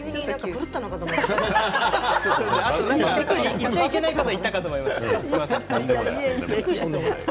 言っちゃいけないことを言ったかと思いました。